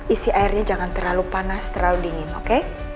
isi airnya jangan terlalu panas terlalu dingin oke